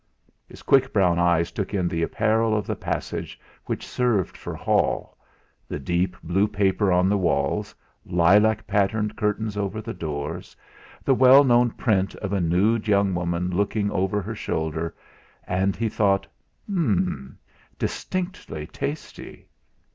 His quick brown eyes took in the apparel of the passage which served for hall the deep blue paper on the walls, lilac patterned curtains over the doors, the well known print of a nude young woman looking over her shoulder, and he thought: 'H'm! Distinctly tasty!'